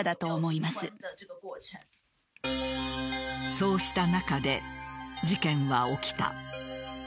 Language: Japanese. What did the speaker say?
そうした中で事件は起きた。